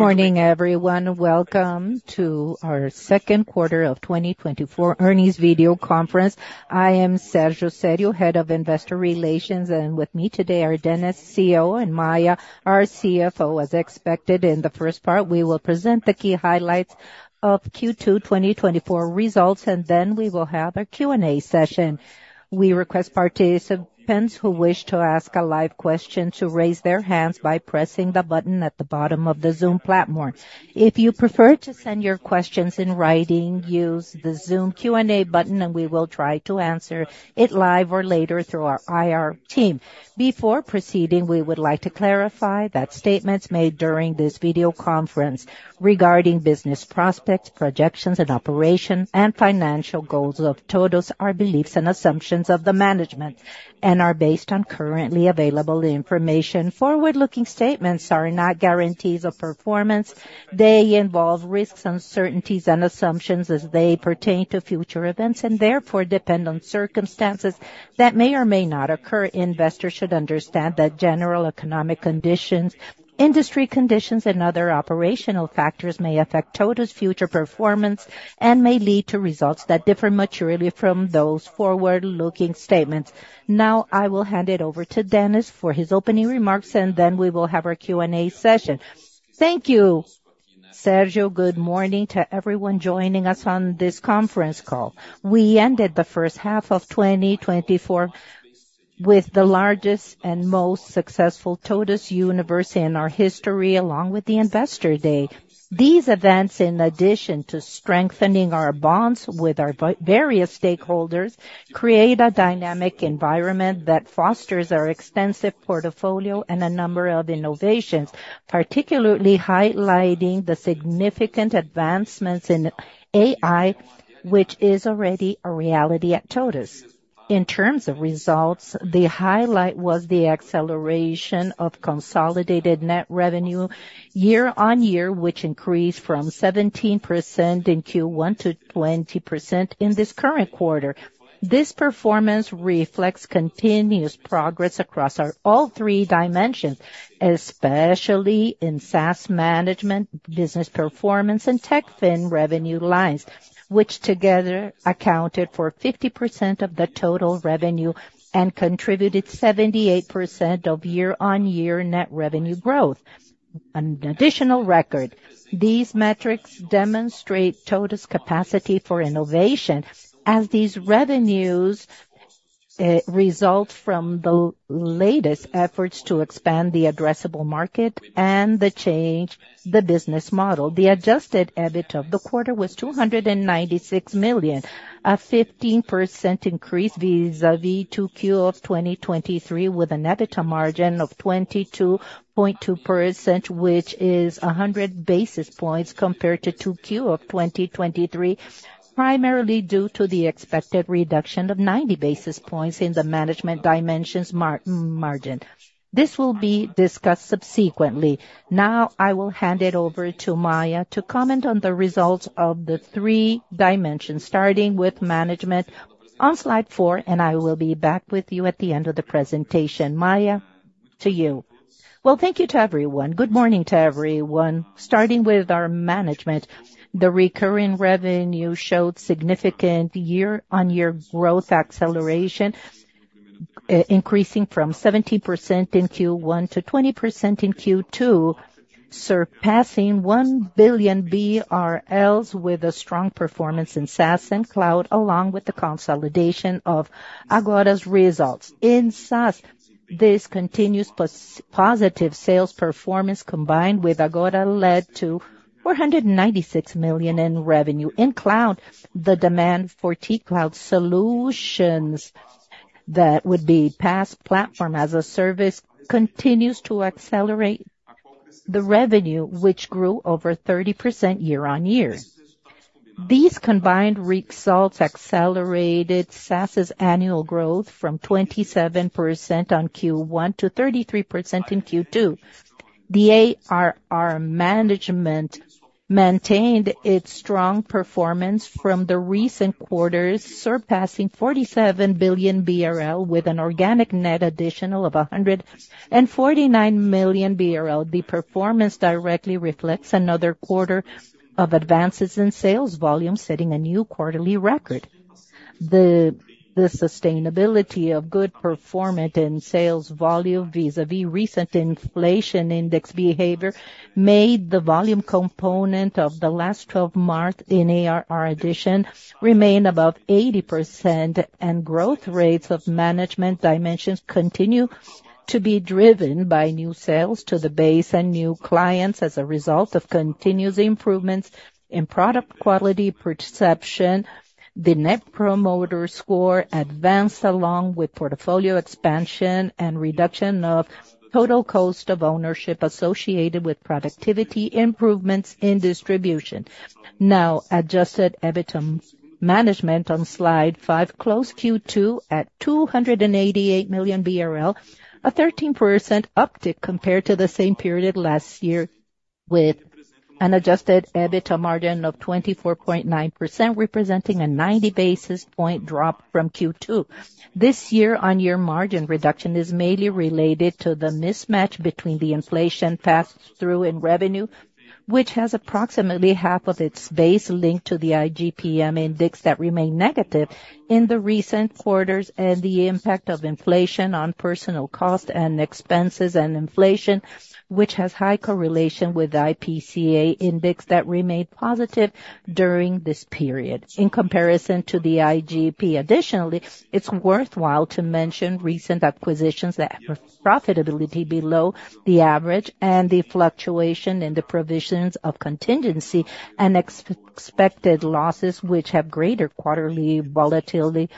Good morning, everyone. Welcome to our second quarter of 2024 earnings video conference. I am Sérgio Sério, Head of Investor Relations, and with me today are Dennis, CEO, and Maia, our CFO. As expected, in the first part, we will present the key highlights of Q2 2024 results, and then we will have a Q&A session. We request participants who wish to ask a live question to raise their hands by pressing the button at the bottom of the Zoom platform. If you prefer to send your questions in writing, use the Zoom Q&A button, and we will try to answer it live or later through our IR team. Before proceeding, we would like to clarify that statements made during this video conference regarding business prospects, projections and operation and financial goals of TOTVS are beliefs and assumptions of the management, and are based on currently available information. Forward-looking statements are not guarantees of performance. They involve risks, uncertainties, and assumptions as they pertain to future events, and therefore depend on circumstances that may or may not occur. Investors should understand that general economic conditions, industry conditions, and other operational factors may affect TOTVS's future performance, and may lead to results that differ materially from those forward-looking statements. Now, I will hand it over to Dennis for his opening remarks, and then we will have our Q&A session. Thank you, Sérgio. Good morning to everyone joining us on this conference call. We ended the first half of 2024 with the largest and most successful TOTVS Universe in our history, along with the Investor Day. These events, in addition to strengthening our bonds with our various stakeholders, create a dynamic environment that fosters our extensive portfolio and a number of innovations, particularly highlighting the significant advancements in AI, which is already a reality at TOTVS. In terms of results, the highlight was the acceleration of consolidated net revenue year-on-year, which increased from 17% in Q1 to 20% in this current quarter. This performance reflects continuous progress across our all three dimensions, especially in SaaS management, business performance, and TechFin revenue lines, which together accounted for 50% of the total revenue and contributed 78% of year-on-year net revenue growth. An additional record, these metrics demonstrate TOTVS' capacity for innovation, as these revenues result from the latest efforts to expand the addressable market and the change the business model. The adjusted EBITDA of the quarter was 296 million, a 15% increase vis-a-vis Q2 of 2023, with an EBITDA margin of 22.2%, which is 100 basis points compared to Q2 of 2023, primarily due to the expected reduction of 90 basis points in the management dimension's margin. This will be discussed subsequently. Now, I will hand it over to Maia to comment on the results of the three dimensions, starting with management on slide four, and I will be back with you at the end of the presentation. Maia, to you. Well, thank you to everyone. Good morning to everyone. Starting with our management, the recurring revenue showed significant year-on-year growth acceleration, increasing from 17% in Q1 to 20% in Q2, surpassing 1 billion BRL with a strong performance in SaaS and cloud, along with the consolidation of Ahgora's results. In SaaS, this continuous positive sales performance, combined with Ahgora, led to 496 million in revenue. In cloud, the demand for TCloud solutions, that would be PaaS, Platform as a Service, continues to accelerate the revenue, which grew over 30% year-on-year. These combined results accelerated SaaS's annual growth from 27% in Q1 to 33% in Q2. The ARR management maintained its strong performance from the recent quarters, surpassing 47 billion BRL, with an organic net additional of 149 million BRL. The performance directly reflects another quarter of advances in sales volume, setting a new quarterly record. The sustainability of good performance in sales volume vis-a-vis recent inflation index behavior, made the volume component of the last 12 months in ARR addition remain above 80%, and growth rates of management dimensions continue to be driven by new sales to the base and new clients. As a result of continuous improvements in product quality perception, the Net Promoter Score advanced, along with portfolio expansion and reduction of total cost of ownership associated with productivity improvements in distribution. Now, adjusted EBITDA management on Slide five, closed Q2 at 288 million BRL, a 13% uptick compared to the same period last year, with-... An adjusted EBITDA margin of 24.9%, representing a 90 basis point drop from Q2. This year-on-year margin reduction is mainly related to the mismatch between the inflation passed through in revenue, which has approximately half of its base linked to the IGPM index that remained negative in the recent quarters, and the impact of inflation on personnel costs and expenses, and inflation, which has high correlation with the IPCA index that remained positive during this period in comparison to the IGP. Additionally, it's worthwhile to mention recent acquisitions that have profitability below the average, and the fluctuation in the provisions of contingency and expected losses, which have greater quarterly volatility,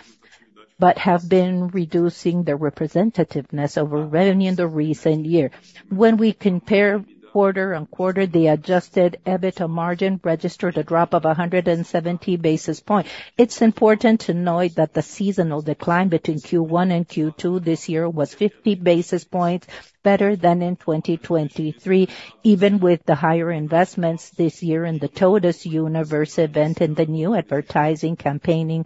but have been reducing their representativeness over revenue in the recent year. When we compare quarter-on-quarter, the adjusted EBITDA margin registered a drop of 170 basis points. It's important to note that the seasonal decline between Q1 and Q2 this year was 50 basis points better than in 2023, even with the higher investments this year in the Universo TOTVS event and the new advertising campaigning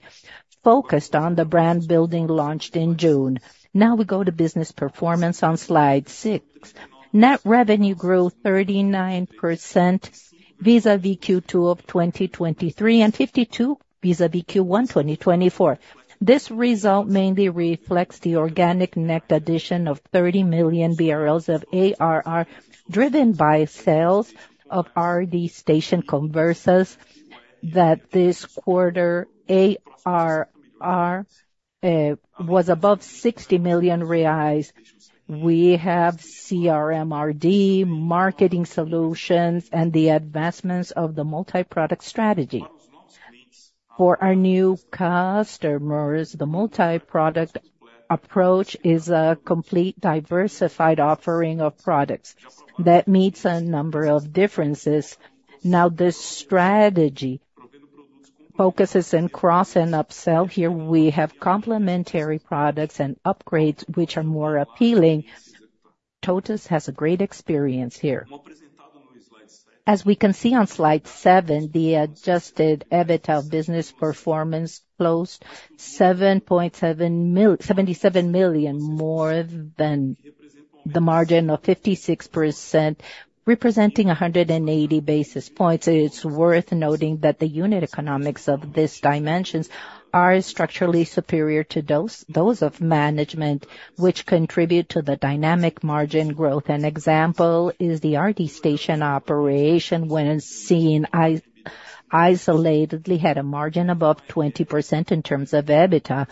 focused on the brand building launched in June. Now we go to business performance on Slide six. Net revenue grew 39% vis-à-vis Q2 of 2023, and 52 vis-à-vis Q1 2024. This result mainly reflects the organic net addition of 30 million reais of ARR, driven by sales of RD Station Conversas, that this quarter, ARR, was above 60 million reais. We have CRM RD, marketing solutions, and the advancements of the multi-product strategy. For our new customers, the multi-product approach is a complete, diversified offering of products that meets a number of differences. Now, this strategy focuses in cross and upsell. Here we have complementary products and upgrades, which are more appealing. TOTVS has a great experience here. As we can see on Slide seven, the adjusted EBITDA business performance closed 77 million, more than the margin of 56%, representing 180 basis points. It's worth noting that the unit economics of these dimensions are structurally superior to those of management, which contribute to the dynamic margin growth. An example is the RD Station operation, when seen isolatedly, had a margin above 20% in terms of EBITDA.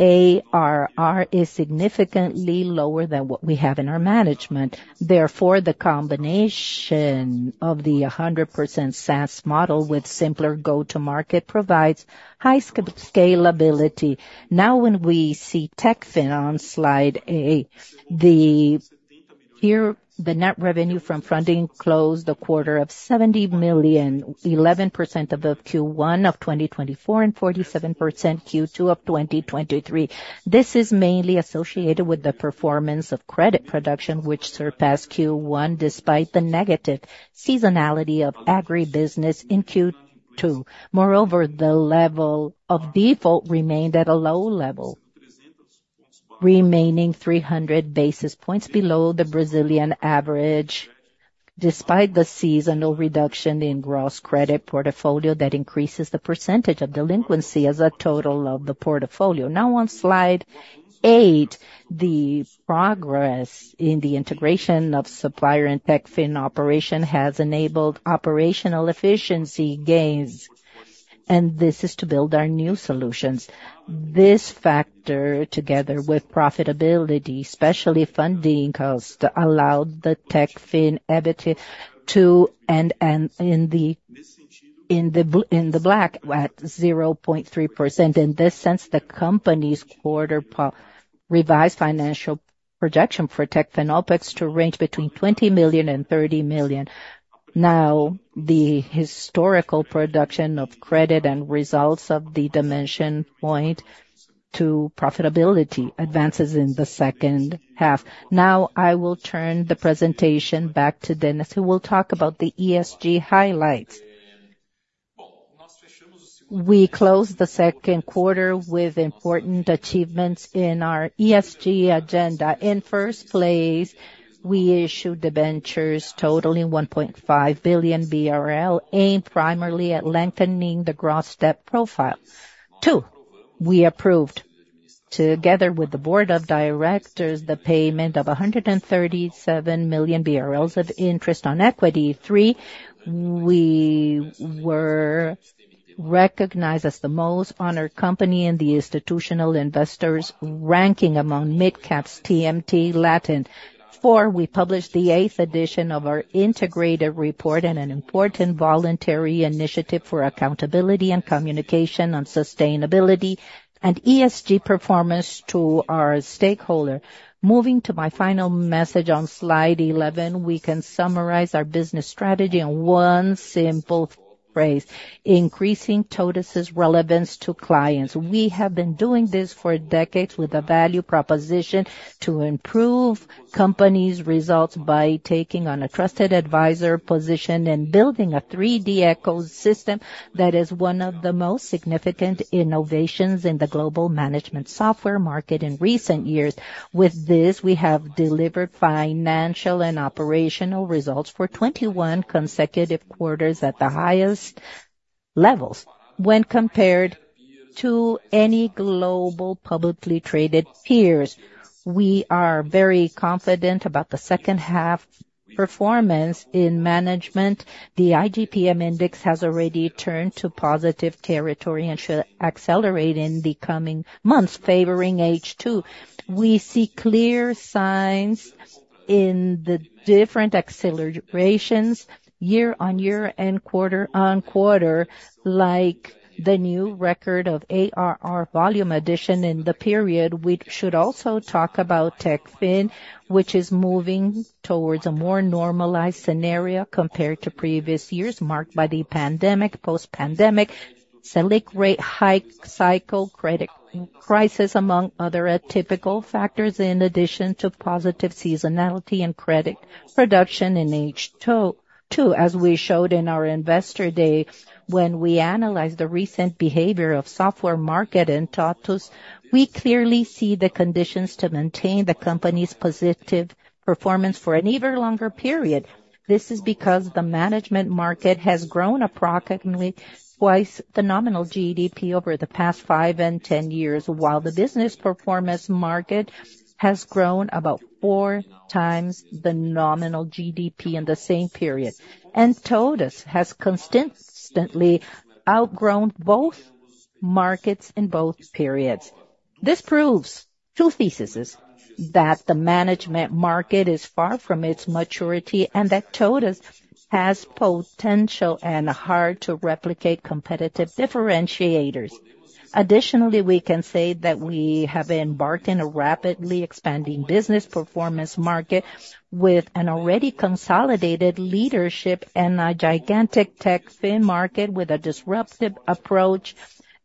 ARR is significantly lower than what we have in our management. Therefore, the combination of the 100% SaaS model with simpler go-to-market provides high scalability. Now, when we see TechFin on Slide A, the here, the net revenue from funding closed a quarter of 70 million, 11% above Q1 of 2024, and 47% Q2 of 2023. This is mainly associated with the performance of credit production, which surpassed Q1, despite the negative seasonality of agribusiness in Q2. Moreover, the level of default remained at a low level, remaining 300 basis points below the Brazilian average, despite the seasonal reduction in gross credit portfolio, that increases the percentage of delinquency as a total of the portfolio. Now, on Slide eight, the progress in the integration of supplier and TechFin operation has enabled operational efficiency gains, and this is to build our new solutions. This factor, together with profitability, especially funding cost, allowed the TechFin EBITDA to in the black, at 0.3%. In this sense, the company's quarterly revised financial projection for TechFin OpEx to range between 20 million and 30 million. Now, the historical production of credit and results of the dimension point to profitability advances in the second half. Now, I will turn the presentation back to Dennis, who will talk about the ESG highlights. We closed the second quarter with important achievements in our ESG agenda. In first place, we issued debentures totaling 1.5 billion BRL, aimed primarily at lengthening the gross debt profile. Two, we approved, together with the board of directors, the payment of 137 million BRL of interest on equity. Three, we were recognized as the most honored company in the institutional investors ranking among Midcaps TMT Latin. Four, we published the eighth edition of our integrated report and an important voluntary initiative for accountability and communication on sustainability and ESG performance to our stakeholder. Moving to my final message on Slide 11, we can summarize our business strategy in one simple phrase: Raise increasing TOTVS' relevance to clients. We have been doing this for decades with a value proposition to improve companies' results by taking on a trusted advisor position and building a 3-D ecosystem that is one of the most significant innovations in the global management software market in recent years. With this, we have delivered financial and operational results for 21 consecutive quarters at the highest levels when compared to any global publicly traded peers. We are very confident about the second half performance in management. The IGPM index has already turned to positive territory and should accelerate in the coming months, favoring H2. We see clear signs in the different accelerations year-on-year and quarter-on-quarter, like the new record of ARR volume addition in the period. We should also talk about TechFin, which is moving towards a more normalized scenario compared to previous years, marked by the pandemic, post-pandemic, Selic rate hike, cycle, credit crisis, among other atypical factors, in addition to positive seasonality and credit production in H2. Too, as we showed in our investor day, when we analyzed the recent behavior of software market in TOTVS, we clearly see the conditions to maintain the company's positive performance for an even longer period. This is because the management market has grown approximately twice the nominal GDP over the past five and 10 years, while the business performance market has grown about four times the nominal GDP in the same period. TOTVS has consistently outgrown both markets in both periods. This proves two theses, that the management market is far from its maturity, and that TOTVS has potential and hard-to-replicate competitive differentiators. Additionally, we can say that we have embarked in a rapidly expanding business performance market with an already consolidated leadership and a gigantic TechFin market with a disruptive approach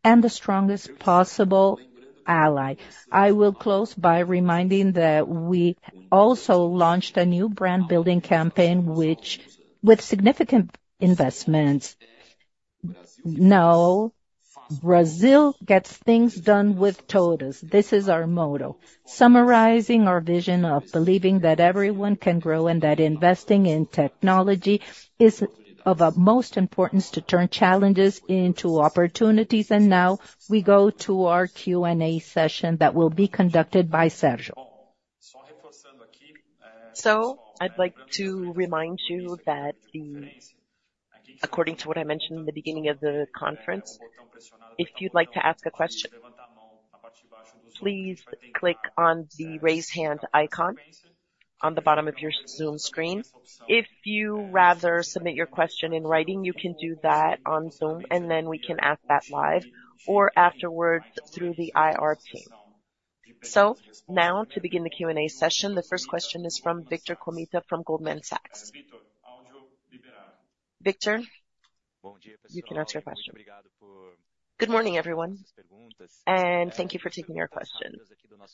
and the strongest possible ally. I will close by reminding that we also launched a new brand building campaign, which with significant investments. Now, Brazil gets things done with TOTVS. This is our motto, summarizing our vision of believing that everyone can grow and that investing in technology is of utmost importance to turn challenges into opportunities. Now we go to our Q&A session that will be conducted by Sérgio. So I'd like to remind you that the, according to what I mentioned in the beginning of the conference, if you'd like to ask a question, please click on the Raise Hand icon on the bottom of your Zoom screen. If you rather submit your question in writing, you can do that on Zoom, and then we can ask that live or afterwards through the IR team. So now, to begin the Q&A session, the first question is from Vitor Tomita, from Goldman Sachs. Victor, you can ask your question. Good morning, everyone, and thank you for taking our question.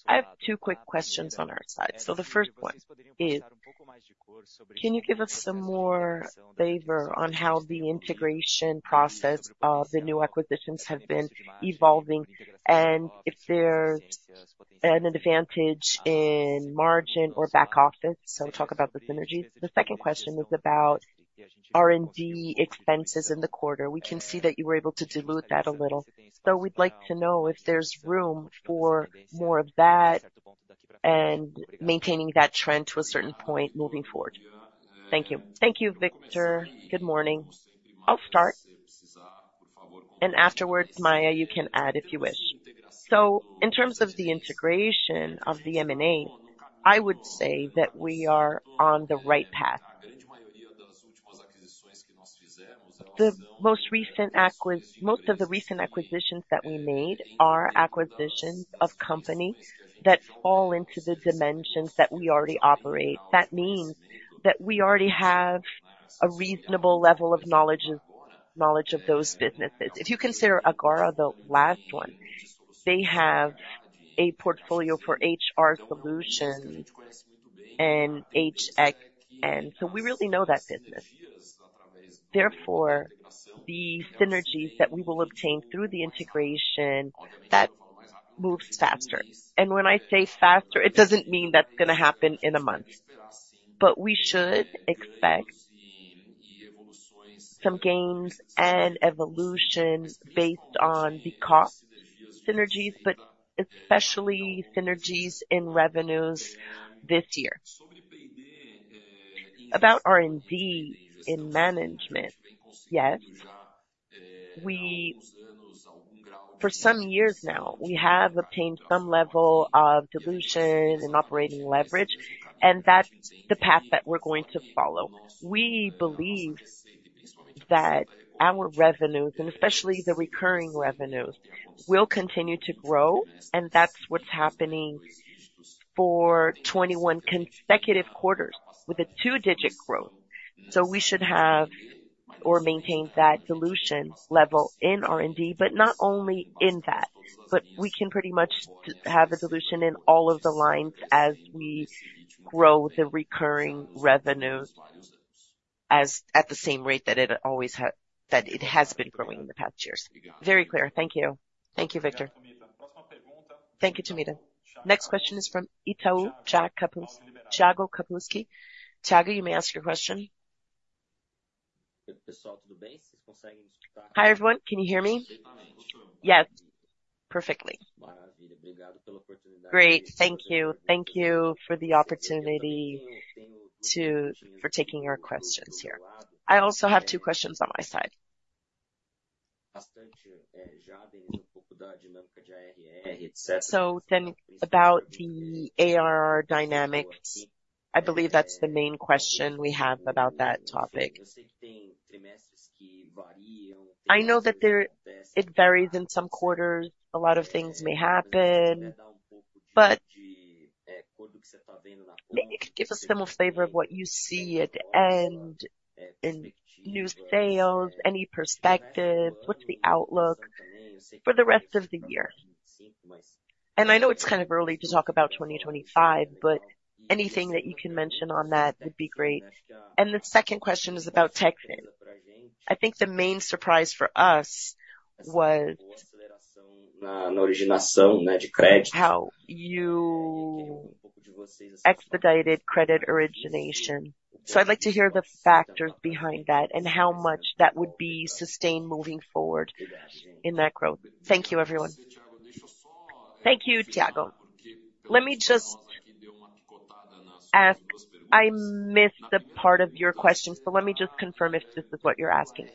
I have two quick questions on our side. So the first one is, can you give us some more flavor on how the integration process of the new acquisitions have been evolving and if there's an advantage in margin or back office? So talk about the synergies. The second question is about R&D expenses in the quarter. We can see that you were able to dilute that a little, so we'd like to know if there's room for more of that and maintaining that trend to a certain point moving forward. Thank you. Thank you, Vitor. Good morning. I'll start, and afterwards, Maia, you can add, if you wish. So in terms of the integration of the M&A, I would say that we are on the right path. The most recent - most of the recent acquisitions that we made are acquisitions of companies that fall into the dimensions that we already operate. That means that we already have a reasonable level of knowledge of, knowledge of those businesses. If you consider Ahgora, the last one, they have a portfolio for HR solutions and HR, and so we really know that business. Therefore, the synergies that we will obtain through the integration that moves faster. When I say faster, it doesn't mean that's gonna happen in a month, but we should expect some gains and evolution based on the cost synergies, but especially synergies in revenues this year. About R&D in management, yes, we, for some years now, we have obtained some level of dilution and operating leverage, and that's the path that we're going to follow. We believe that our revenues, and especially the recurring revenues, will continue to grow, and that's what's happening for 21 consecutive quarters with a two-digit growth. So we should have or maintain that dilution level in R&D, but not only in that, but we can pretty much have a dilution in all of the lines as we grow the recurring revenue, at the same rate that it always had, that it has been growing in the past years. Very clear. Thank you. Thank you, Vitor.Thank you, Tamira. Next question is from Itaú, Thiago Kapulskis. Thiago Kapulskis. Thiago, you may ask your question. Hi, everyone. Can you hear me? Yes, perfectly. Great. Thank you. Thank you for the opportunity to—for taking your questions here. I also have two questions on my side. So then, about the ARR dynamics, I believe that's the main question we have about that topic. I know that it varies in some quarters, a lot of things may happen, but it could give us the most favor of what you see at the end in new sales. Any perspective, what's the outlook for the rest of the year? And I know it's kind of early to talk about 2025, but anything that you can mention on that would be great. And the second question is about TechFin. I think the main surprise for us was how you expedited credit origination. So I'd like to hear the factors behind that and how much that would be sustained moving forward in that growth. Thank you, everyone. Thank you, Tiago. Let me just ask. I missed the part of your question, so let me just confirm if this is what you're asking.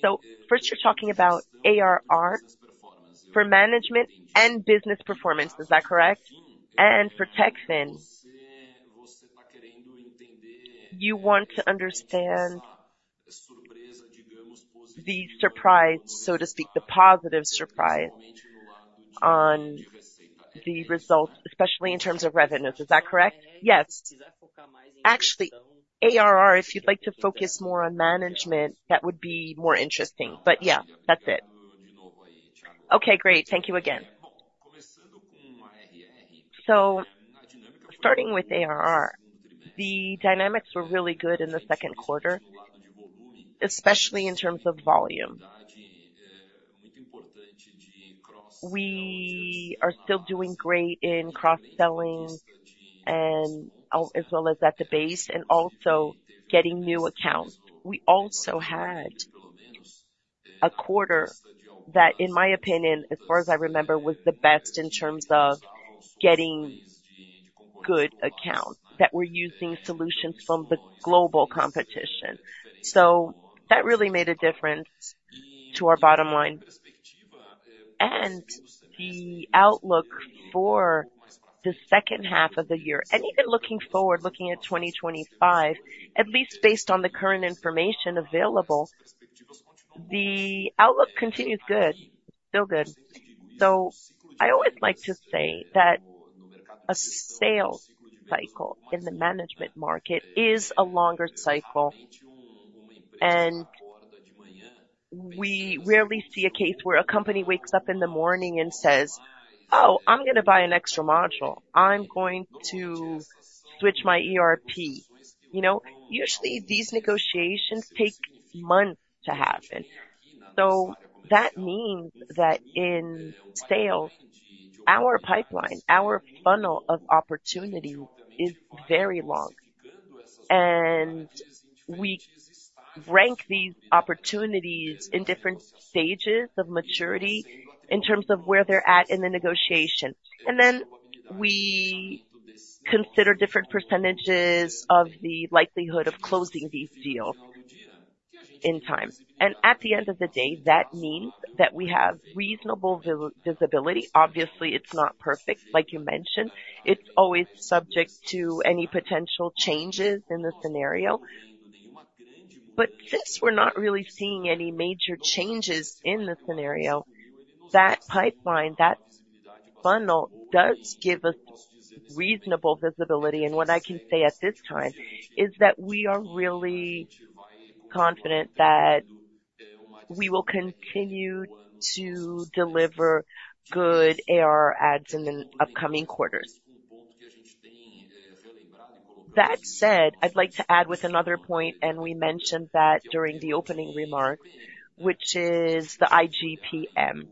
So first, you're talking about ARR for management and business performance. Is that correct? And for TechFin, you want to understand the surprise, so to speak, the positive surprise on the results, especially in terms of revenues. Is that correct? Yes. Actually, ARR, if you'd like to focus more on management, that would be more interesting. But yeah, that's it. Okay, great. Thank you again. So starting with ARR, the dynamics were really good in the second quarter, especially in terms of volume. We are still doing great in cross-selling and as well as at the base and also getting new accounts. We also had a quarter that, in my opinion, as far as I remember, was the best in terms of getting good accounts that were using solutions from the global competition. So that really made a difference to our bottom line and the outlook for the second half of the year, and even looking forward, looking at 2025, at least based on the current information available, the outlook continues good, still good. So I always like to say that a sales cycle in the management market is a longer cycle, and we rarely see a case where a company wakes up in the morning and says, "Oh, I'm gonna buy an extra module. I'm going to switch my ERP." You know, usually, these negotiations take months to happen. So that means that in sales, our pipeline, our funnel of opportunity is very long, and we rank these opportunities in different stages of maturity in terms of where they're at in the negotiation. And then we consider different percentages of the likelihood of closing these deals in time. At the end of the day, that means that we have reasonable visibility. Obviously, it's not perfect, like you mentioned. It's always subject to any potential changes in the scenario. But since we're not really seeing any major changes in the scenario, that pipeline, that funnel, does give us reasonable visibility. And what I can say at this time is that we are really confident that we will continue to deliver good ARR adds in the upcoming quarters. That said, I'd like to add with another point, and we mentioned that during the opening remark, which is the IGPM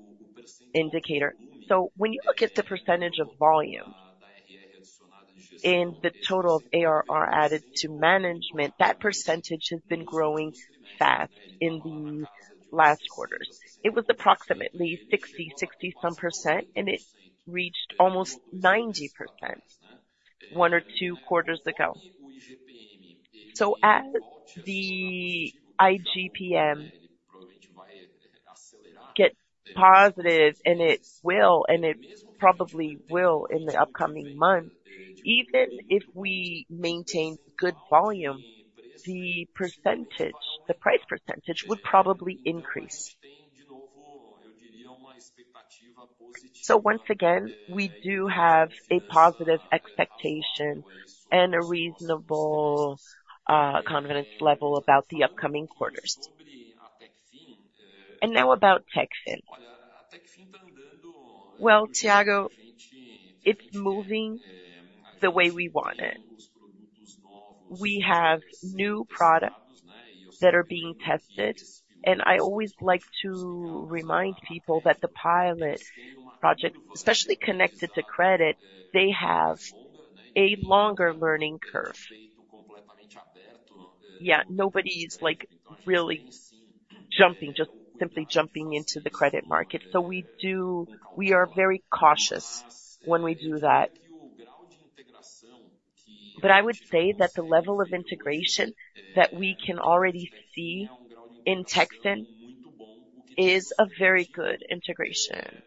indicator. So when you look at the percentage of volume in the total of ARR added to management, that percentage has been growing fast in the last quarters. It was approximately 60, 60-something%, and it reached almost 90% one or two quarters ago. So as the IGPM gets positive, and it will, and it probably will in the upcoming months, even if we maintain good volume, the percentage, the price percentage would probably increase. So once again, we do have a positive expectation and a reasonable confidence level about the upcoming quarters. And now about TechFin. Well, Thiago, it's moving the way we want it. We have new products that are being tested, and I always like to remind people that the pilot project, especially connected to credit, they have a longer learning curve. Yeah, nobody's, like, really jumping, just simply jumping into the credit market, so we do—we are very cautious when we do that. But I would say that the level of integration that we can already see in TechFin is a very good integration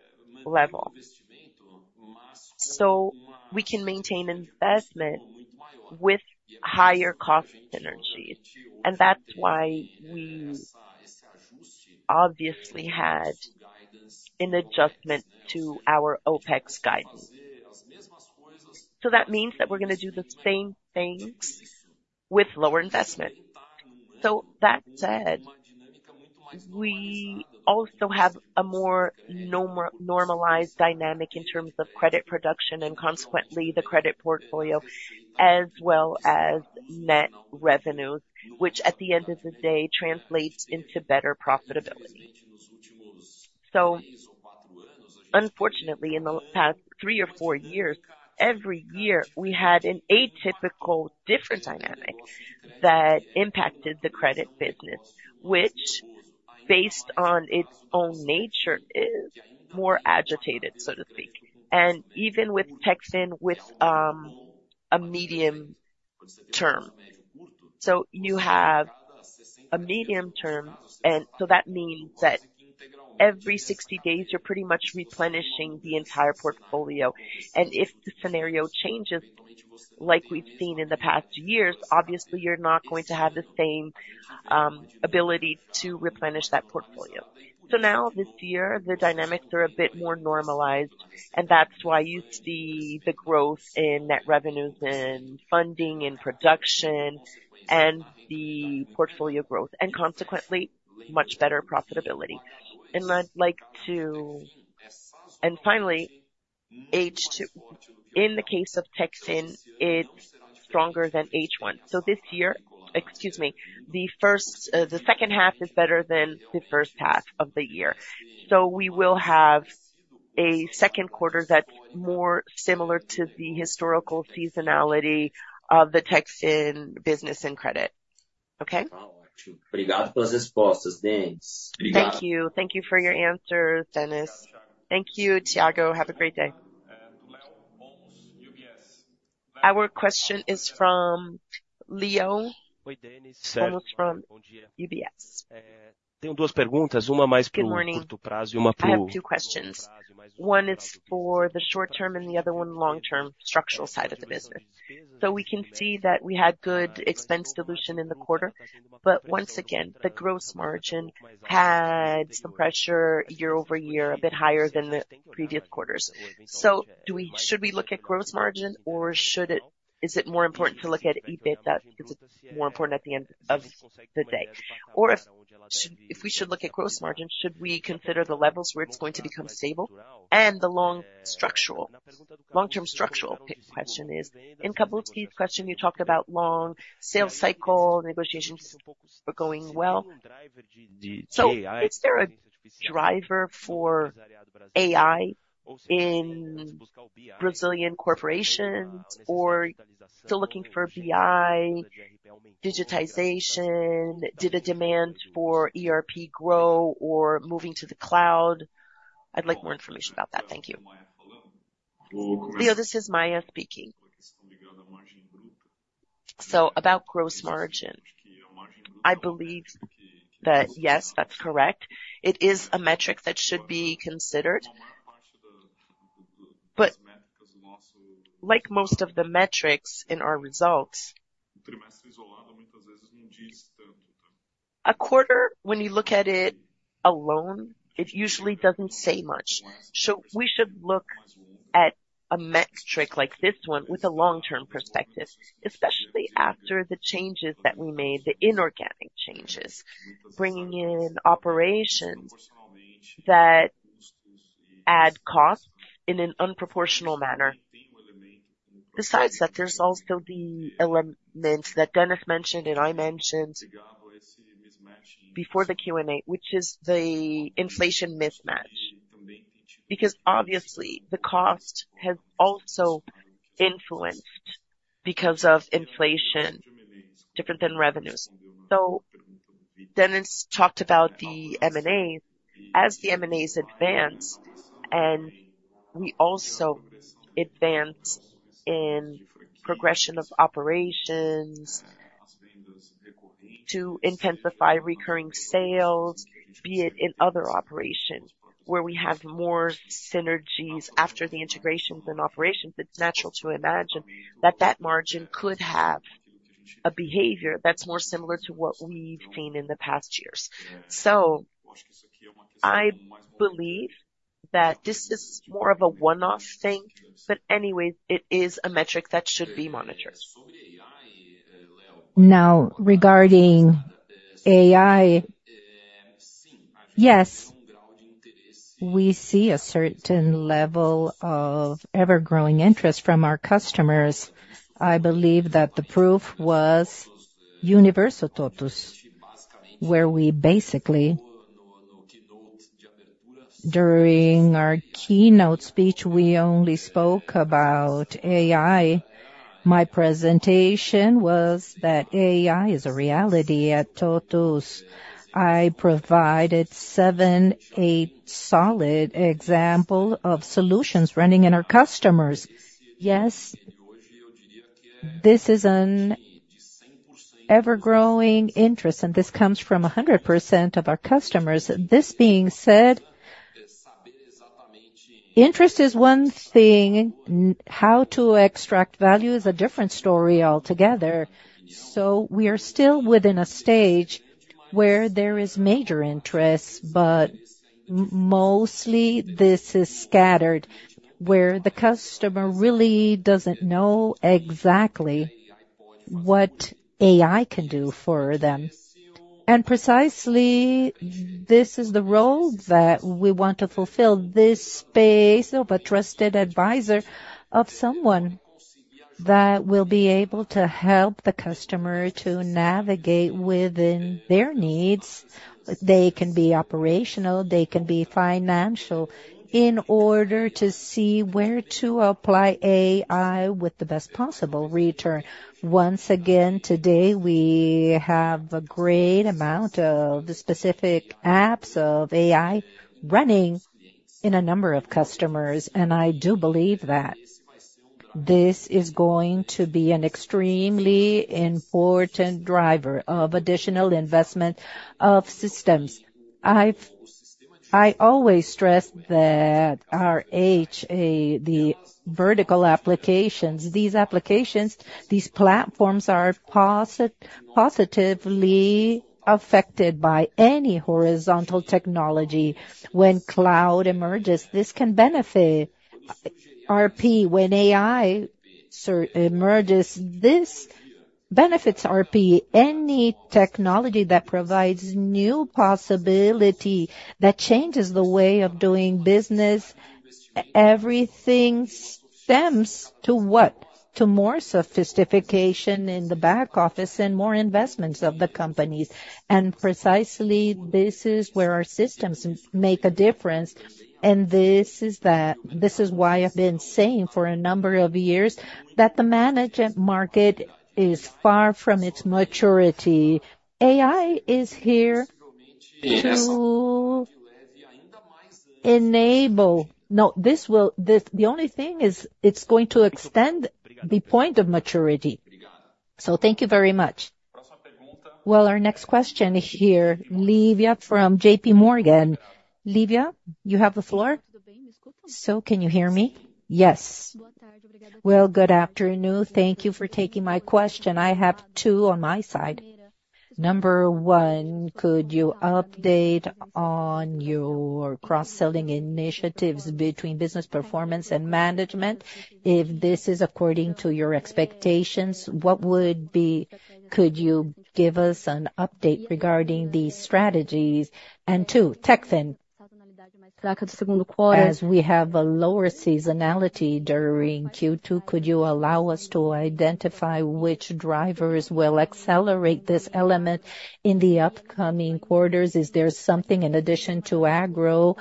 level. So we can maintain investment with higher cost synergies, and that's why we obviously had an adjustment to our OpEx guidance. So that means that we're gonna do the same things with lower investment. So that said, we also have a more normalized dynamic in terms of credit production and consequently, the credit portfolio, as well as net revenues, which at the end of the day, translates into better profitability. So unfortunately, in the past three or four years, every year, we had an atypical, different dynamic that impacted the credit business, which, based on its own nature, is more agitated, so to speak, and even with TechFin, with a medium term. So you have a medium term, and so that means that every 60 days, you're pretty much replenishing the entire portfolio. And if the scenario changes, like we've seen in the past years, obviously, you're not going to have the same ability to replenish that portfolio. So now, this year, the dynamics are a bit more normalized, and that's why you see the growth in net revenues and funding, in production and the portfolio growth, and consequently, much better profitability. And finally, H2, in the case of TechFin, it's stronger than H1. So this year... Excuse me, the first, the second half is better than the first half of the year. So we will have a second quarter that's more similar to the historical seasonality of the TechFin business and credit. Okay? Thank you. Thank you for your answer, Dennis. Thank you, Thiago. Have a great day. Our question is from Leo, Leo from UBS. Good morning. I have two questions. One is for the short term and the other one long-term structural side of the business. So we can see that we had good expense dilution in the quarter, but once again, the gross margin had some pressure year-over-year, a bit higher than the previous quarters. So should we look at gross margin, or is it more important to look at EBITDA, because it's more important at the end of the day? Or if we should look at gross margin, should we consider the levels where it's going to become stable and the long structural, long-term structural question is, in Kapulskis's question, you talked about long sales cycle negotiations were going well. So is there a driver for AI in Brazilian corporations, or still looking for BI, digitization? Did the demand for ERP grow or moving to the cloud? I'd like more information about that. Thank you. Leo, this is Maia speaking. So about gross margin, I believe that yes, that's correct. It is a metric that should be considered. But like most of the metrics in our results, a quarter, when you look at it alone, it usually doesn't say much. So we should look at a metric like this one with a long-term perspective, especially after the changes that we made, the inorganic changes, bringing in operations that add cost in an unproportional manner. Besides that, there's also the elements that Dennis mentioned, and I mentioned before the Q&A, which is the inflation mismatch, because obviously, the cost has also influenced because of inflation different than revenues. So Dennis talked about the M&A. As the M&As advance and we also advance in progression of operations to intensify recurring sales, be it in other operations where we have more synergies after the integrations and operations, it's natural to imagine that that margin could have-... a behavior that's more similar to what we've seen in the past years. So I believe that this is more of a one-off thing, but anyway, it is a metric that should be monitored. Now, regarding AI, yes, we see a certain level of ever-growing interest from our customers. I believe that the proof was Universo TOTVS, where we basically, during our keynote speech, we only spoke about AI. My presentation was that AI is a reality at TOTVS. I provided seven, eight solid example of solutions running in our customers. Yes, this is an ever-growing interest, and this comes from 100% of our customers. This being said, interest is one thing, how to extract value is a different story altogether. So we are still within a stage where there is major interest, but mostly, this is scattered, where the customer really doesn't know exactly what AI can do for them. And precisely, this is the role that we want to fulfill, this space of a trusted advisor, of someone that will be able to help the customer to navigate within their needs. They can be operational, they can be financial, in order to see where to apply AI with the best possible return. Once again, today, we have a great amount of specific apps of AI running in a number of customers, and I do believe that this is going to be an extremely important driver of additional investment of systems. I always stress that our HA, the vertical applications, these applications, these platforms, are positively affected by any horizontal technology. When cloud emerges, this can benefit ERP. When AI emerges, this benefits ERP. Any technology that provides new possibility, that changes the way of doing business, everything stems to what? To more sophistication in the back office and more investments of the companies. And precisely, this is where our systems make a difference, and this is why I've been saying for a number of years that the management market is far from its maturity. AI is here to enable. No, this will. The, the only thing is it's going to extend the point of maturity. So thank you very much. Well, our next question here, Livia from J.P. Morgan. Livia, you have the floor. So can you hear me? Yes. Well, good afternoon. Thank you for taking my question. I have two on my side. Number one, could you update on your cross-selling initiatives between business performance and management? If this is according to your expectations, what would be, could you give us an update regarding these strategies? And two, TechFin. As we have a lower seasonality during Q2, could you allow us to identify which drivers will accelerate this element in the upcoming quarters? Is there something in addition to Agro?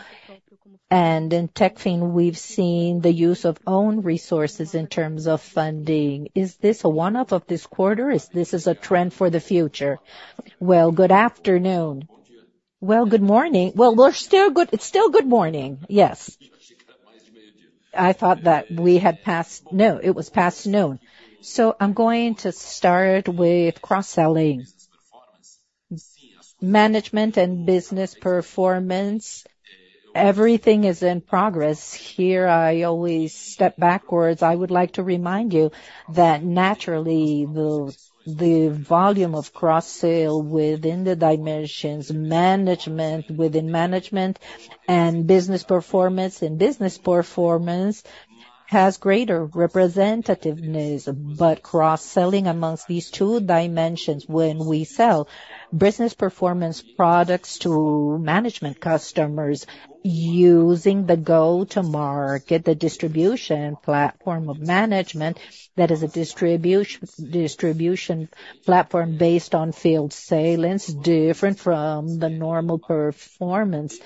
And in TechFin, we've seen the use of own resources in terms of funding. Is this a one-off of this quarter, or is this is a trend for the future? Well, good afternoon. Well, good morning. Well, we're still good, it's still good morning, yes. I thought that we had passed noon, it was past noon. So I'm going to start with cross-selling. Management and business performance, everything is in progress. Here, I always step backwards. I would like to remind you that naturally, the volume of cross-sale within the dimensions management, within management and business performance, and business performance has greater representativeness. But cross-selling amongst these two dimensions, when we sell business performance products to management customers, using the go-to-market, the distribution platform of management, that is a distribution platform based on field sales, different from the normal performance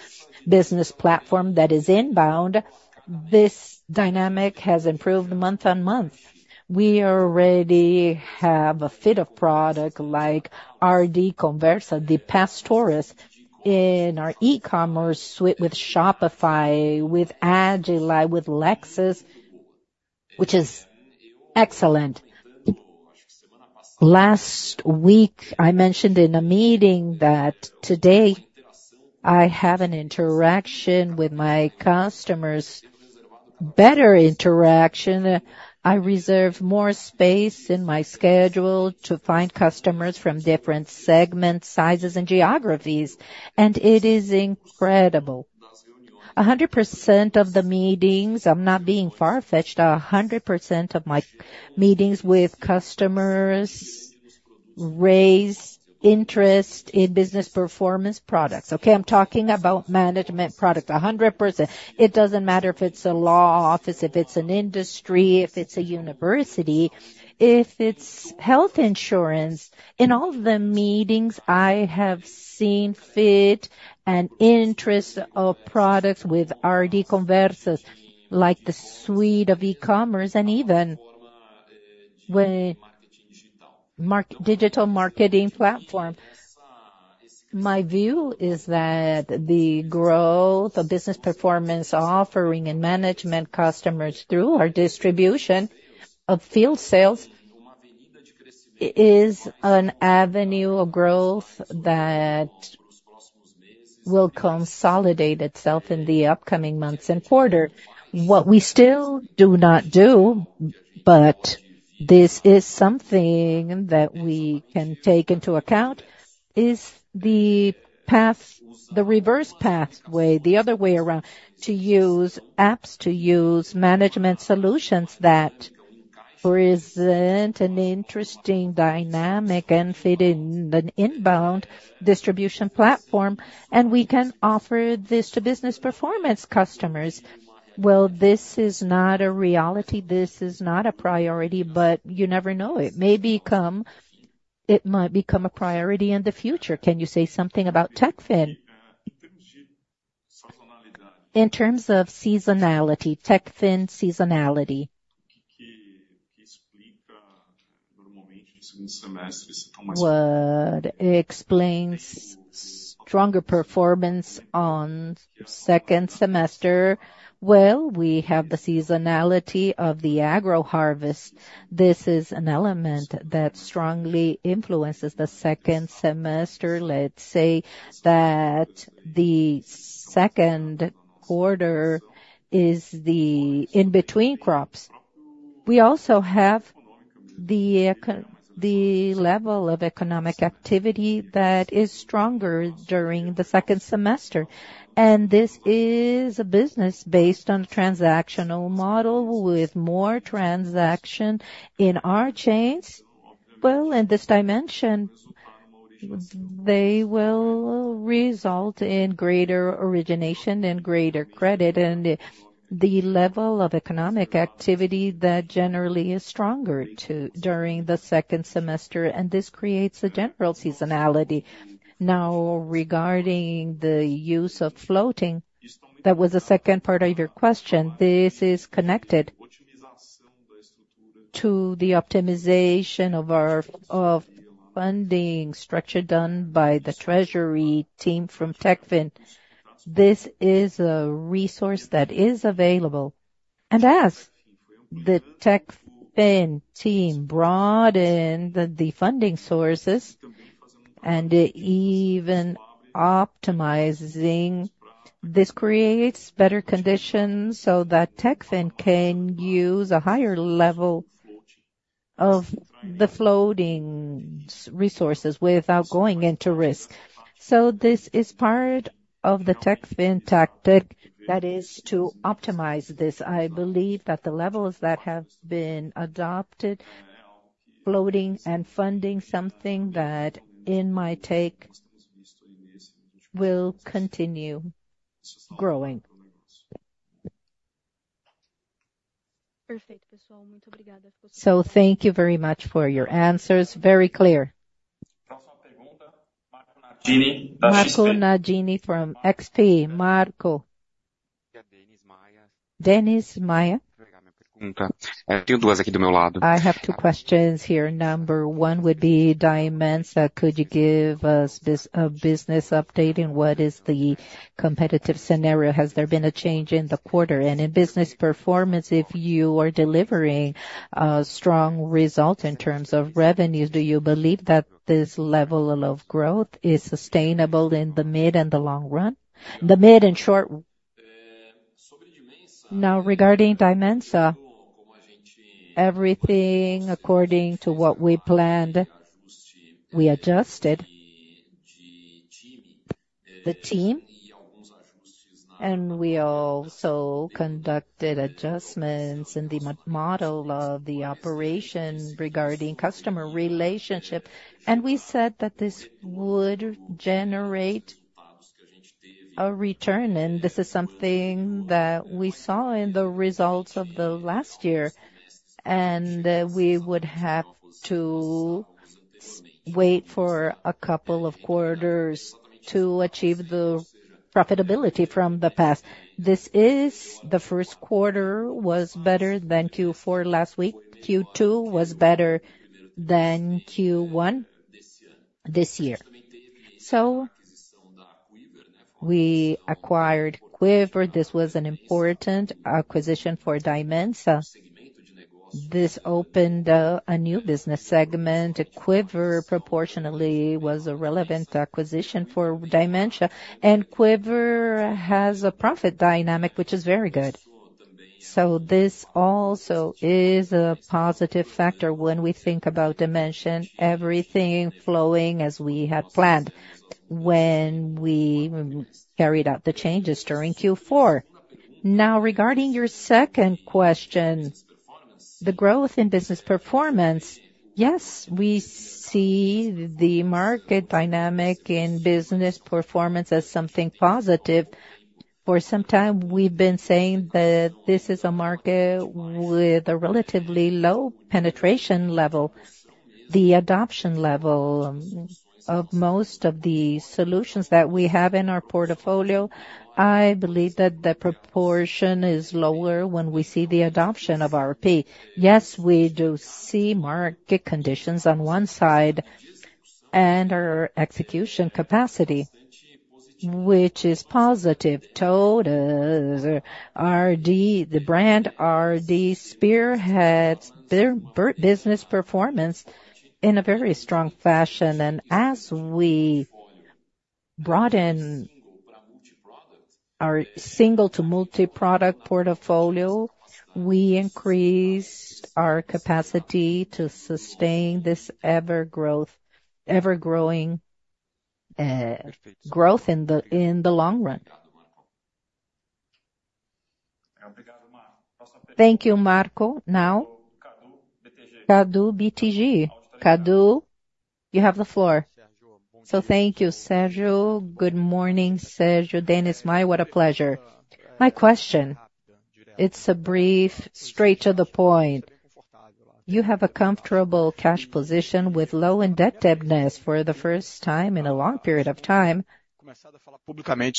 business platform that is inbound, this dynamic has improved month-on-month. We already have a fit of product like RD Conversa, the Uncertain in our e-commerce suite with Shopify, with Uncertain, with Lexos, which is excellent. Last week, I mentioned in a meeting that today I have an interaction with my customers, better interaction. I reserve more space in my schedule to find customers from different segments, sizes, and geographies, and it is incredible. 100% of the meetings, I'm not being far-fetched, 100% of my meetings with customers raise interest in business performance products, okay? I'm talking about management product, 100%. It doesn't matter if it's a law office, if it's an industry, if it's a university, if it's health insurance. In all the meetings, I have seen fit and interest of products with RD Conversas, like the suite of e-commerce and even when digital marketing platform. My view is that the growth of business performance offering and management customers through our distribution of field sales, is an avenue of growth that will consolidate itself in the upcoming months and quarter. What we still do not do, but this is something that we can take into account, is the path, the reverse pathway, the other way around, to use apps, to use management solutions that present an interesting dynamic and fit in an inbound distribution platform, and we can offer this to business performance customers. Well, this is not a reality, this is not a priority, but you never know. It may become, it might become a priority in the future. Can you say something about TechFin? In terms of seasonality, TechFin seasonality. What explains stronger performance on second semester? Well, we have the seasonality of the agro harvest. This is an element that strongly influences the second semester. Let's say that the second quarter is the in-between crops. We also have the level of economic activity that is stronger during the second semester. And this is a business based on transactional model, with more transaction in our chains. Well, in this dimension, they will result in greater origination and greater credit, and the level of economic activity there generally is stronger too, during the second semester, and this creates a general seasonality. Now, regarding the use of floating, that was the second part of your question. This is connected to the optimization of our funding structure done by the treasury team from TechFin. This is a resource that is available, and as the TechFin team broaden the funding sources and even optimizing, this creates better conditions so that TechFin can use a higher level of the floating resources without going into risk. So this is part of the TechFin tactic, that is to optimize this. I believe that the levels that have been adopted, floating and funding, something that in my take, will continue growing. So thank you very much for your answers. Very clear. Marco Nardini from XP. Marco. Dennis, Maia. I have two questions here. Number one would be Dimensa. Could you give us this, business update, and what is the competitive scenario? Has there been a change in the quarter? And in business performance, if you are delivering, strong results in terms of revenues, do you believe that this level of growth is sustainable in the mid and the long run? The mid and short. Now, regarding Dimensa, everything according to what we planned. We adjusted the team, and we also conducted adjustments in the model of the operation regarding customer relationship. We said that this would generate a return, and this is something that we saw in the results of the last year, and we would have to wait for a couple of quarters to achieve the profitability from the past. This, the first quarter, was better than Q4 last year. Q2 was better than Q1 this year. We acquired Quiver. This was an important acquisition for Dimensa. This opened a new business segment. Quiver proportionately was a relevant acquisition for Dimensa, and Quiver has a profit dynamic, which is very good. This also is a positive factor when we think about Dimensa, everything flowing as we had planned when we carried out the changes during Q4. Now, regarding your second question, the growth in business performance. Yes, we see the market dynamic in business performance as something positive. For some time, we've been saying that this is a market with a relatively low penetration level. The adoption level of most of the solutions that we have in our portfolio, I believe that the proportion is lower when we see the adoption of RP. Yes, we do see market conditions on one side and our execution capacity, which is positive. TOTVS, RD, the brand RD, spearheads their business performance in a very strong fashion. And as we broaden our single to multi-product portfolio, we increased our capacity to sustain this ever-growing growth in the long run. Thank you, Marco. Now, Cadu BTG. Cadu, you have the floor. Thank you, Sérgio. Good morning, Sérgio, Dennis, Maia, what a pleasure. My question, it's a brief straight to the point. You have a comfortable cash position with low indebtedness for the first time in a long period of time.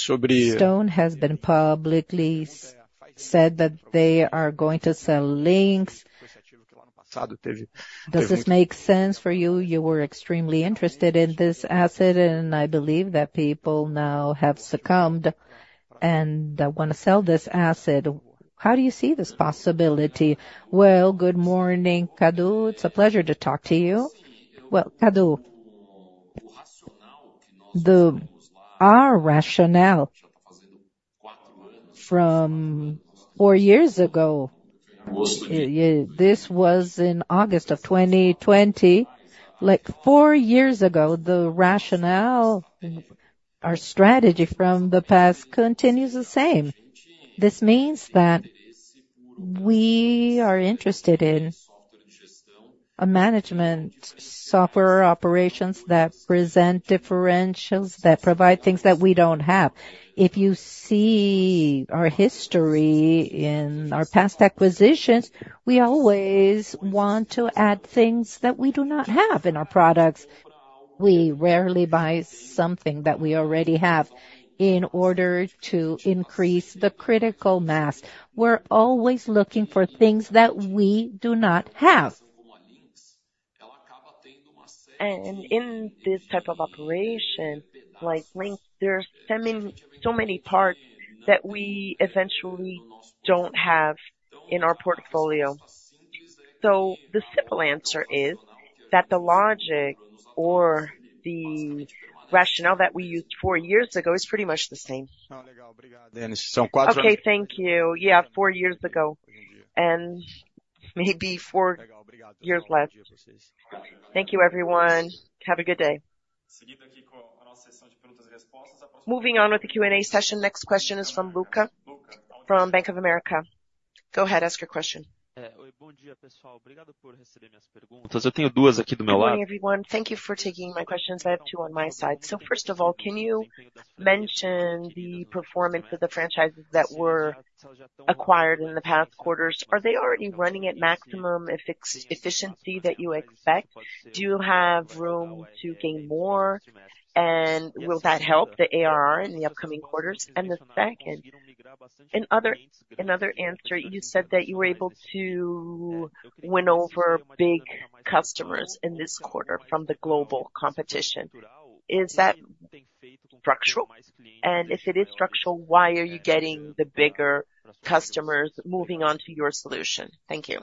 Stone has been publicly said that they are going to sell Linx. Does this make sense for you? You were extremely interested in this asset, and I believe that people now have succumbed and want to sell this asset. How do you see this possibility? Well, good morning, Cadu. It's a pleasure to talk to you. Well, Cadu, our rationale from four years ago, yeah, this was in August of 2020. Like four years ago, the rationale, our strategy from the past continues the same. This means that we are interested in a management software operations that present differentials, that provide things that we don't have. If you see our history in our past acquisitions, we always want to add things that we do not have in our products. We rarely buy something that we already have in order to increase the critical mass. We're always looking for things that we do not have. In this type of operation, like Linx, there are so many, so many parts that we eventually don't have in our portfolio. So the simple answer is that the logic or the rationale that we used four years ago is pretty much the same. Okay, thank you. Yeah, four years ago, and maybe four years left. Thank you, everyone. Have a good day. Moving on with the Q&A session. Next question is from Luca, from Bank of America. Go ahead, ask your question. Good morning, everyone. Thank you for taking my questions. I have two on my side. So first of all, can you mention the performance of the franchises that were acquired in the past quarters? Are they already running at maximum efficiency that you expect? Do you have room to gain more, and will that help the ARR in the upcoming quarters? The second, in another answer, you said that you were able to win over big customers in this quarter from the global competition. Is that structural? And if it is structural, why are you getting the bigger customers moving on to your solution? Thank you.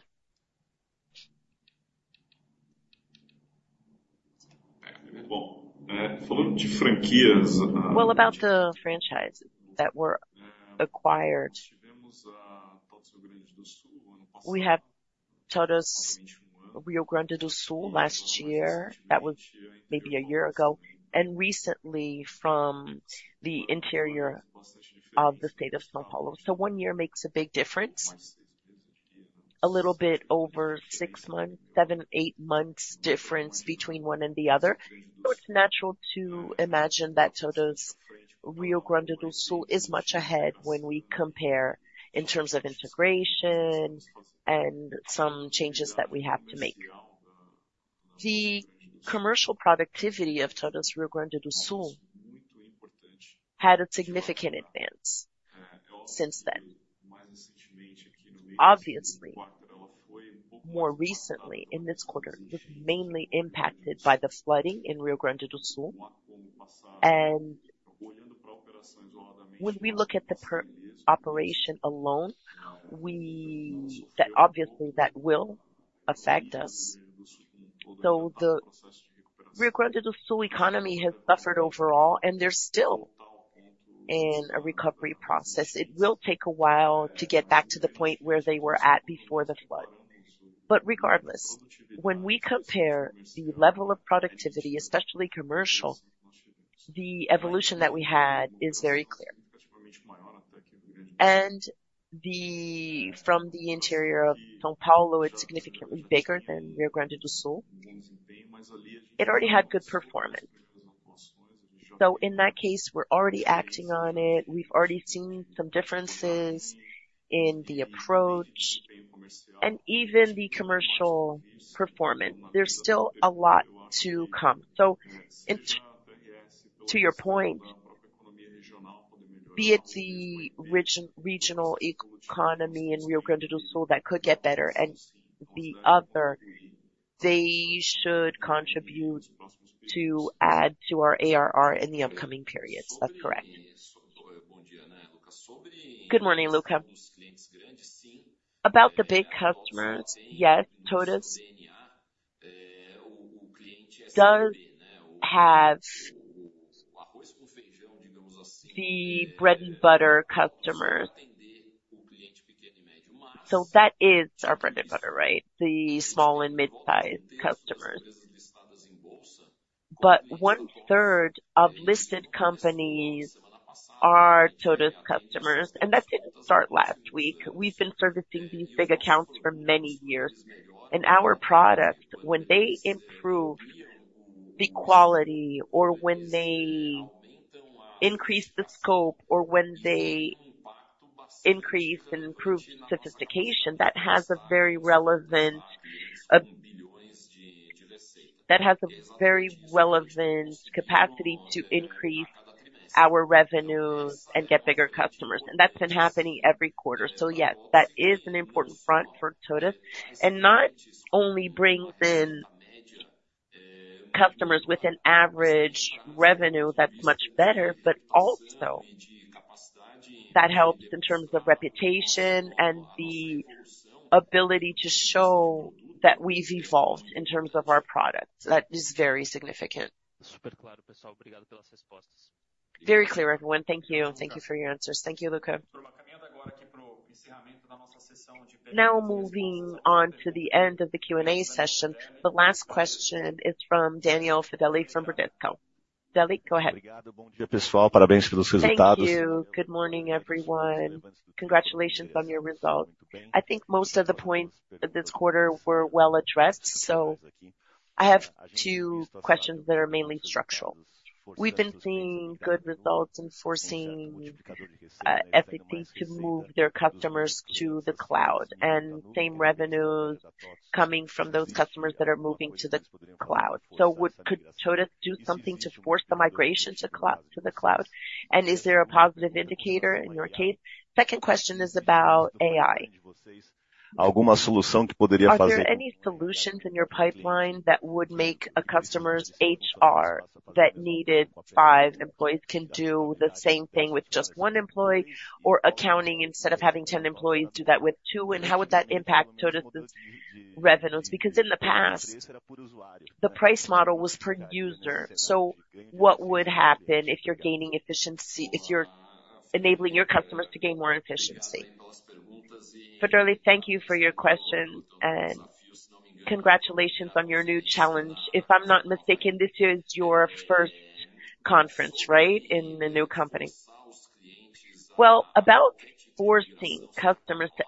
Well, talking about the franchise. Well, about the franchises that were acquired, we had TOTVS Rio Grande do Sul last year. That was maybe a year ago, and recently from the interior of the state of São Paulo. So one year makes a big difference, a little bit over six months, seven, eight months difference between one and the other. So it's natural to imagine that TOTVS Rio Grande do Sul is much ahead when we compare in terms of integration and some changes that we have to make. The commercial productivity of TOTVS Rio Grande do Sul had a significant advance since then. Obviously, more recently in this quarter, it was mainly impacted by the flooding in Rio Grande do Sul, and- ...When we look at the per operation alone, we—that obviously will affect us. So the Rio Grande do Sul economy has suffered overall, and they're still in a recovery process. It will take a while to get back to the point where they were at before the flood. But regardless, when we compare the level of productivity, especially commercial, the evolution that we had is very clear. And the from the interior of São Paulo, it's significantly bigger than Rio Grande do Sul. It already had good performance. So in that case, we're already acting on it. We've already seen some differences in the approach and even the commercial performance. There's still a lot to come. So, into your point, be it the regional economy in Rio Grande do Sul, that could get better, and the others, they should contribute to add to our ARR in the upcoming periods. That's correct. Good morning, Luca. About the big customers, yes, TOTVS does have the bread and butter customer. So that is our bread and butter, right? The small and mid-sized customers. But one-third of listed companies are TOTVS customers, and that didn't start last week. We've been servicing these big accounts for many years and our product, when they improve the quality, or when they increase the scope, or when they increase and improve sophistication, that has a very relevant, that has a very relevant capacity to increase our revenue and get bigger customers, and that's been happening every quarter. So yes, that is an important front for TOTVS, and not only brings in customers with an average revenue that's much better, but also that helps in terms of reputation and the ability to show that we've evolved in terms of our products. That is very significant. Very clear, everyone. Thank you. Thank you for your answers. Thank you, Luca. Now moving on to the end of the Q&A session. The last question is from Daniel Federle from Bradesco. Federle, go ahead. Thank you. Good morning, everyone. Congratulations on your result. I think most of the points this quarter were well addressed, so I have two questions that are mainly structural. We've been seeing good results in forcing everything to move their customers to the cloud, and same revenues coming from those customers that are moving to the cloud. So, could TOTVS do something to force the migration to the cloud, and is there a positive indicator in your case? Second question is about AI. Are there any solutions in your pipeline that would make a customer's HR that needed five employees can do the same thing with just one employee, or accounting, instead of having 10 employees, do that with two? And how would that impact TOTVS's revenues? Because in the past, the price model was per user, so what would happen if you're enabling your customers to gain more efficiency? Fedeli, thank you for your question, and congratulations on your new challenge. If I'm not mistaken, this is your first conference, right, in the new company? Well, about forcing customers to...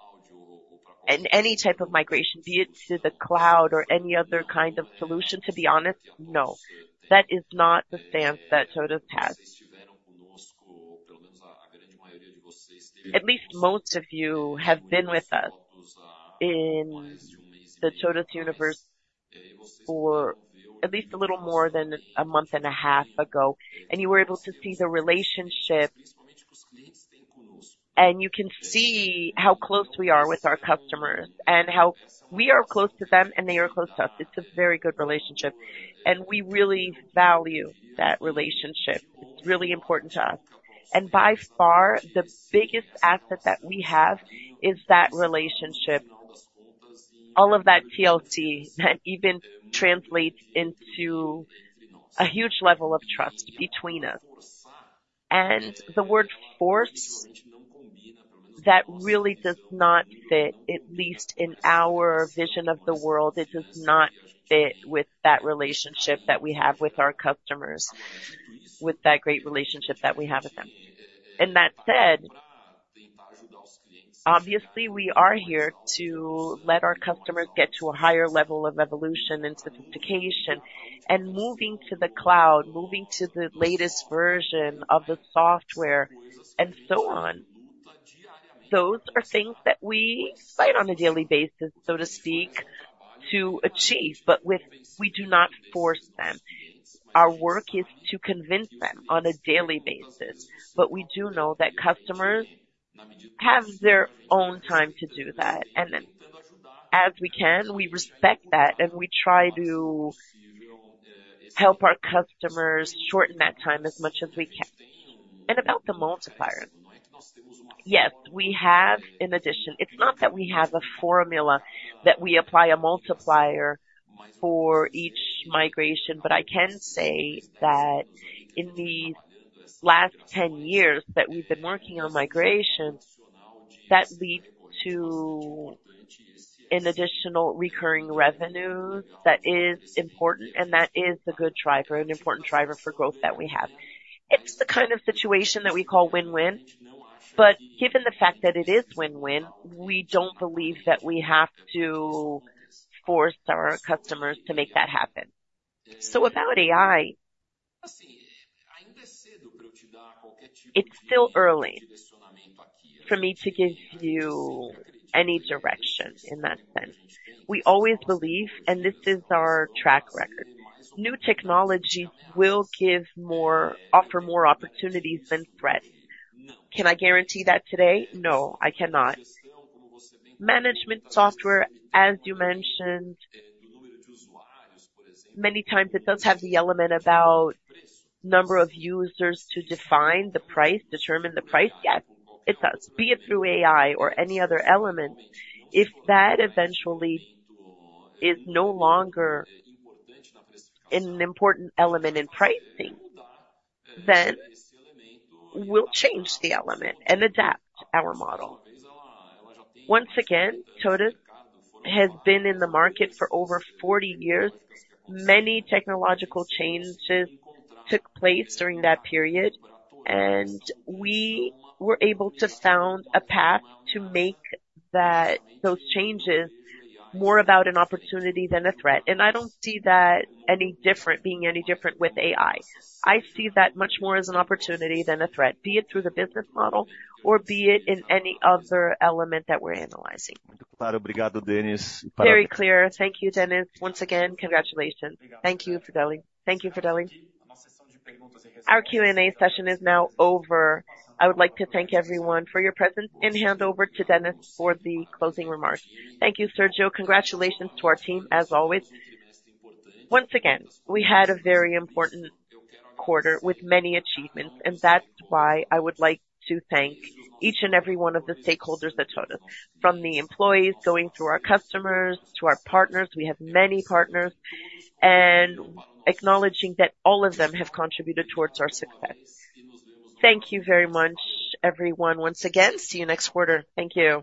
In any type of migration, be it to the cloud or any other kind of solution, to be honest, no, that is not the stance that TOTVS has. At least most of you have been with us in the Universo TOTVS for at least a little more than a month and a half ago, and you were able to see the relationship, and you can see how close we are with our customers and how we are close to them, and they are close to us. It's a very good relationship, and we really value that relationship. It's really important to us, and by far, the biggest asset that we have is that relationship. All of that TLC, that even translates into a huge level of trust between us. And the word force, that really does not fit, at least in our vision of the world. It does not fit with that relationship that we have with our customers, with that great relationship that we have with them. And that said, obviously, we are here to let our customers get to a higher level of evolution and sophistication, and moving to the cloud, moving to the latest version of the software and so on. Those are things that we fight on a daily basis, so to speak, to achieve, but we do not force them. Our work is to convince them on a daily basis, but we do know that customers have their own time to do that, and then as we can, we respect that, and we try to help our customers shorten that time as much as we can. And about the multiplier, yes, we have in addition, it's not that we have a formula, that we apply a multiplier for each migration, but I can say that in the last 10 years that we've been working on migration, that lead to an additional recurring revenue that is important, and that is a good driver, an important driver for growth that we have. It's the kind of situation that we call win-win, but given the fact that it is win-win, we don't believe that we have to force our customers to make that happen. So about AI, it's still early for me to give you any direction in that sense. We always believe, and this is our track record, new technology will give more, offer more opportunities than threats. Can I guarantee that today? No, I cannot. Management software, as you mentioned, many times it does have the element about number of users to define the price, determine the price. Yes, it does. Be it through AI or any other element, if that eventually is no longer an important element in pricing, then we'll change the element and adapt our model. Once again, TOTVS has been in the market for over 40 years. Many technological changes took place during that period, and we were able to sound a path to make that, those changes more about an opportunity than a threat. And I don't see that any different, being any different with AI. I see that much more as an opportunity than a threat, be it through the business model, or be it in any other element that we're analyzing. Very clear. Thank you, Dennis. Once again, congratulations. Thank you, Federle. Thank you, Federle. Our Q&A session is now over. I would like to thank everyone for your presence and hand over to Dennis for the closing remarks. Thank you, Sérgio. Congratulations to our team, as always. Once again, we had a very important quarter with many achievements, and that's why I would like to thank each and every one of the stakeholders at TOTVS, from the employees, going through our customers, to our partners, we have many partners, and acknowledging that all of them have contributed towards our success. Thank you very much, everyone, once again. See you next quarter. Thank you.